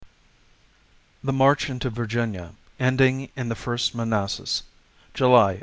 The March into Virginia, Ending in the First Manassas. (July, 1861.)